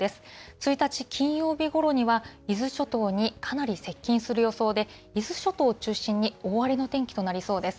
１日金曜日ごろには、伊豆諸島にかなり接近する予想で、伊豆諸島を中心に大荒れの天気となりそうです。